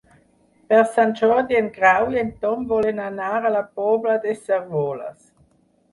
Per Sant Jordi en Grau i en Tom volen anar a la Pobla de Cérvoles.